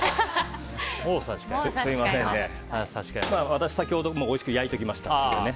私、先ほどもうおいしく焼いておきましたからね。